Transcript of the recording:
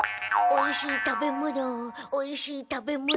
おいしい食べ物おいしい食べ物。